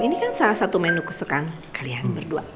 ini kan salah satu menu kesukaan kalian berdua